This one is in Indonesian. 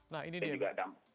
nah ini dia